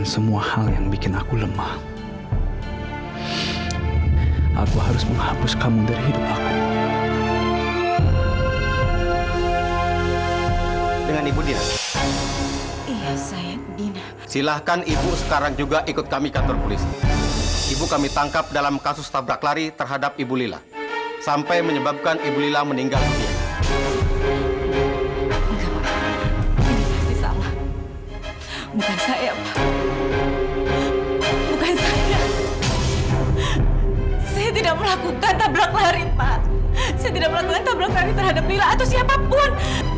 saya tidak melakukan tablak lari terhadap lila atau siapapun